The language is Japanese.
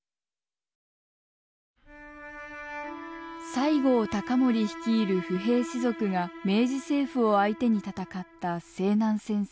西郷隆盛率いる不平士族が明治政府を相手に戦った西南戦争。